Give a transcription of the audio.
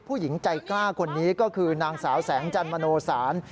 ผู้หญิงใจกล้าคนนี้ก็คือนางสาวแสงจันมโนสาร